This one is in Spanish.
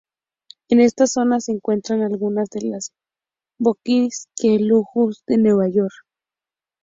En esta zona se encuentran algunas de las boutiques más lujosas de Nueva York.